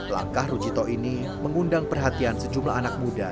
langkah rujito ini mengundang perhatian sejumlah anak muda